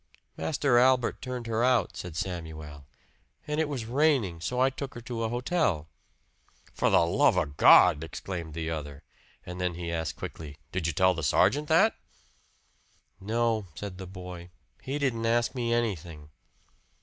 "Master Albert turned her out," said Samuel. "And it was raining, and so I took her to a hotel." "For the love of God!" exclaimed the other; and then he asked quickly, "Did you tell the sergeant that?" "No," said the boy. "He didn't ask me anything."